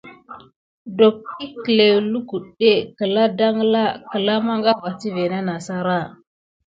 Dok ǝklǝw lukudé kǝla dangla kǝla mangava tivé nah sara.